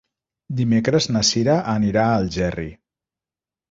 Dimecres na Sira anirà a Algerri.